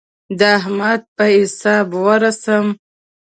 د احمد په حساب ورسم.